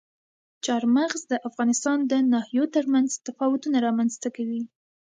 چار مغز د افغانستان د ناحیو ترمنځ تفاوتونه رامنځته کوي.